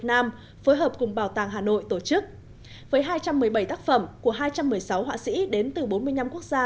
nam phối hợp cùng bảo tàng hà nội tổ chức với hai trăm một mươi bảy tác phẩm của hai trăm một mươi sáu họa sĩ đến từ bốn mươi năm quốc gia